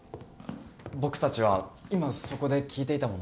僕たちは今そこで聞いていた者です。